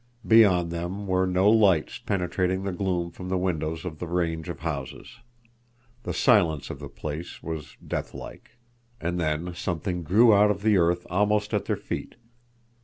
Beyond them were no lights penetrating the gloom from the windows of the range of houses. The silence of the place was death like. And then something grew out of the earth almost at their feet.